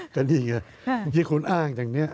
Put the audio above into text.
แต่นี่ไงที่คุณอ้างอย่างนี้